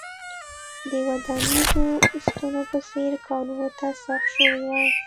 د ودانیزو ستنو په څېر کارونو ته سوق شوي وای.